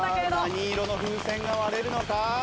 何色の風船が割れるのか？